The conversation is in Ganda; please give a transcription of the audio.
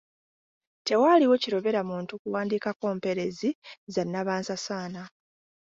Tewaaliwo kirobera muntu kuwandiikawo mpeerezi za nnabansasaana.